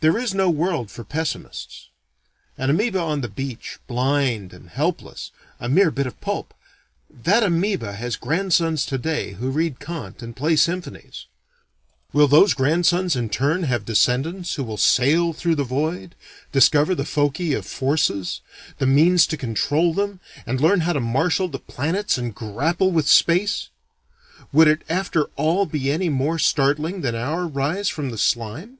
This is no world for pessimists. An amoeba on the beach, blind and helpless, a mere bit of pulp, that amoeba has grandsons today who read Kant and play symphonies. Will those grandsons in turn have descendants who will sail through the void, discover the foci of forces, the means to control them, and learn how to marshal the planets and grapple with space? Would it after all be any more startling than our rise from the slime?